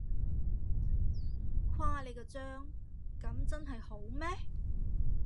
誇你個張，噉真係好咩？